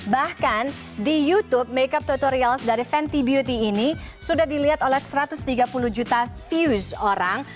bahkan di youtube makeup tutorials dari fenty beauty ini sudah dilihat oleh satu ratus tiga puluh juta views orang